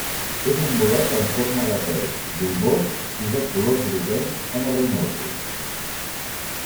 És un bolet en forma de peu, bulbós, i de colors groguencs o marronosos.